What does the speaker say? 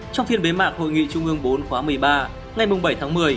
trong phiên bế mạc hội nghị trung ương bốn khóa một mươi ba ngày bảy tháng một mươi